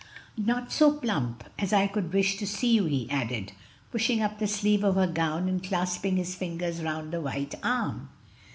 Not so plump as I could wish to see you," he added, pushing up the sleeve of her gown and clasping his fingers round the white arm.